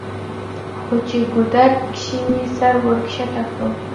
خو چې ګودر کښې مې سر ورښکته کړو